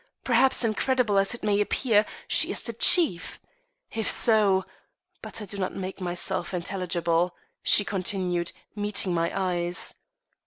Perhaps, incredible as it may appear, she is the chief. If so But I do not make myself intelligible," she continued, meeting my eyes.